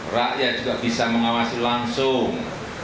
rakyat juga bisa mengawasi langsung